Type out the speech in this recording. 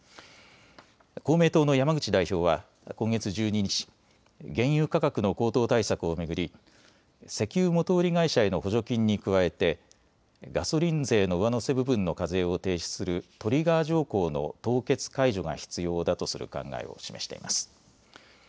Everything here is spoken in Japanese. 公明党の山口代表は今月１２日、原油価格の高騰対策を巡り石油元売り会社への補助金に加えてガソリン税の上乗せ部分の課税を停止するトリガー条項の凍結解除が必要だとする考えを示しています。